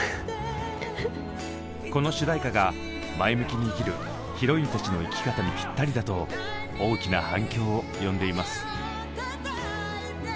この主題歌が前向きに生きるヒロインたちの生き方にぴったりだと大きな反響を呼んでいます。